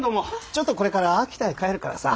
ちょっとこれから秋田へ帰るからさ。